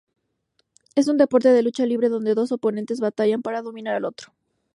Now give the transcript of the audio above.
Es un deporte de lucha libre donde dos oponentes batalla para dominar al otro.